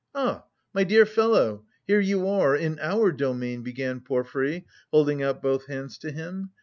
"Ah, my dear fellow! Here you are... in our domain"... began Porfiry, holding out both hands to him.